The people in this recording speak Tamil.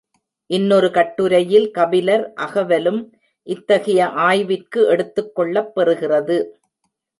இன்னொரு கட்டுரையில் கபிலர் அகவலும் இத்தகைய ஆய்விற்கு எடுத்துக் கொள்ளப் பெறுகிறது.